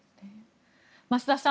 増田さん